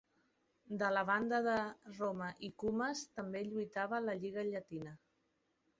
De la banda de Roma i Cumes també lluitava la lliga llatina.